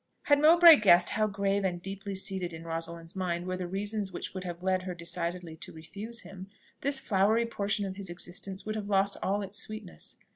Had Mowbray guessed how grave and deeply seated in Rosalind's mind were the reasons which would have led her decidedly to refuse him, this flowery portion of his existence would have lost all its sweetness.